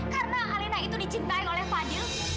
karena alena itu dicintai oleh fadil